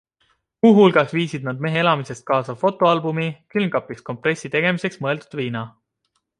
Muu hulgas viisid nad mehe elamisest kaasa fotoalbumi, külmkapist kompressi tegemiseks mõeldud viina.